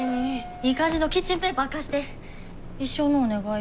いい感じのキッチンペーパー貸して一生のお願い。